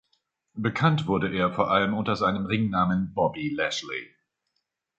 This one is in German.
Bekannt wurde er vor allem unter seinem Ringnamen Bobby Lashley.